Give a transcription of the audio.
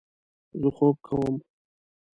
زه خوب کوم